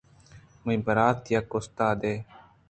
منی برات یک استادے